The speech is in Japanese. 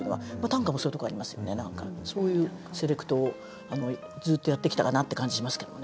そういうセレクトをずっとやってきたかなって感じしますけどもね。